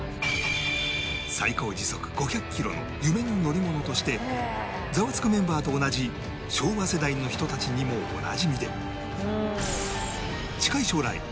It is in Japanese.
最高時速５００キロの夢の乗り物としてザワつくメンバーと同じ昭和世代の人たちにもおなじみで